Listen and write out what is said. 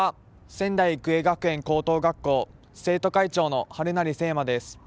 仙台育英学園高等高校生徒会長の春成惺真です。